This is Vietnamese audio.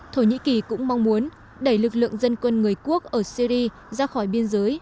thổ nhĩ kỳ cũng mong muốn đẩy lực lượng dân quân người quốc ở syri ra khỏi biên giới